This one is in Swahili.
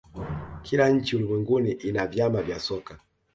kila nchi ulimwenguni ina vyama vya soka